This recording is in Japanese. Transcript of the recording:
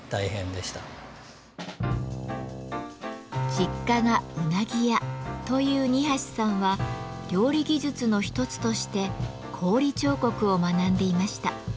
実家がうなぎ屋という二さんは料理技術の一つとして氷彫刻を学んでいました。